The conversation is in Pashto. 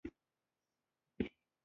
هند د ترهګرۍ مخالف دی.